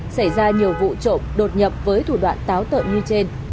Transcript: xảy ra nhiều vụ trộm đột nhập với thủ đoạn táo tợn như trên